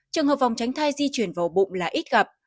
trường hợp vòng tránh thai di chuyển vào ổ bụng là ít gặp